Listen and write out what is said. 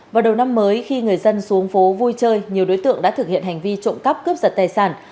vào đầu năm mới khi người dân xuống phố vui chơi nhiều đối tượng đã thực hiện hành vi trộm cắp cướp giật tài sản